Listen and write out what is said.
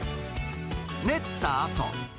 練ったあと。